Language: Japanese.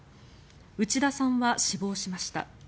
内田さんは死亡しました。